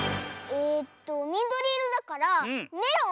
えっとみどりいろだからメロン？